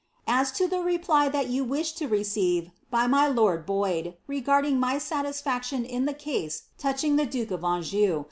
"As to the reply that you wish to receive by my lord Boyd, regarding my ■aiisfaciion in ibe case touching tbe duke of Anjou."